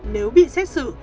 nếu bị xét xử